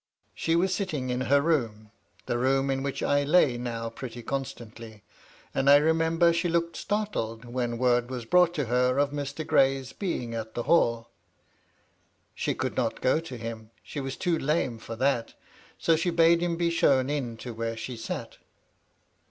She was sitting in her room — the room in which I lay now pretty constantly — and I remember she looked startled, when word was brought to her of Mr. Gray's being at the Hall. She could not go to him, she was too lame for that, so she bade him be shown into where she sat.